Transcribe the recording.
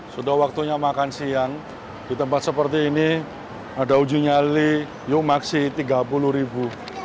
sudah waktunya makan siang di tempat seperti ini ada ujung nyali yuk maksi tiga puluh ribu